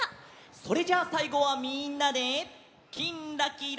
それじゃあさいごはみんなで「きんらきら」。